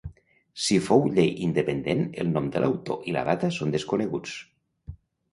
Si fou llei independent el nom de l'autor i la data són desconeguts.